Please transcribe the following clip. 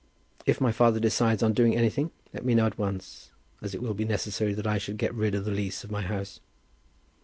If my father decides on doing anything, let me know at once, as it will be necessary that I should get rid of the lease of my house."